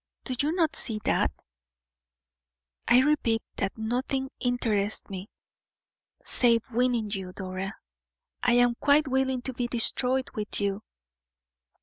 Do you not see that?" "I repeat that nothing interests me save winning you, Dora; I am quite willing to be destroyed with you."